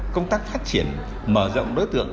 công tác phát triển mở rộng đối tượng